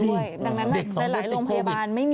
ดังนั้นหลายโรงพยาบาลไม่มี